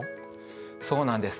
そうなんです。